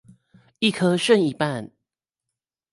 一顆剩一半